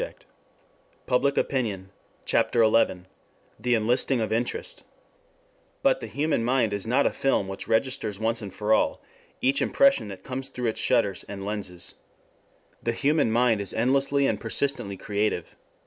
SELF INTEREST RECONSIDERED CHAPTER XI THE ENLISTING OF INTEREST I BUT the human mind is not a film which registers once and for all each impression that comes through its shutters and lenses. The human mind is endlessly and persistently creative.